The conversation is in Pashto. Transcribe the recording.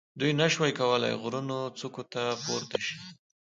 دوی نه شوای کولای غرونو څوکو ته پورته شي.